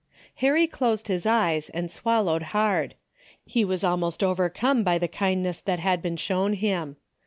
Harry closed his eyes and swallowed hard. He was almost overcome by the kindness that had been shown him.